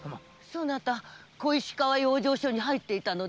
そなた小石川養生所に入っていたのではありませぬか？